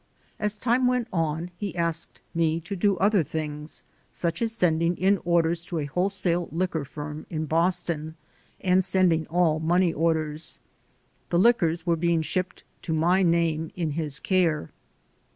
As time went on, he asked me to do other things, such as sending in orders to a wholesale liquor firm in Boston, and sending all Money Orders. The liquors were being shipped to my name in his care.